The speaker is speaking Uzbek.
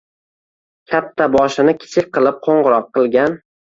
Katta boshini kichik qilib qo‘ng‘iroq qilgan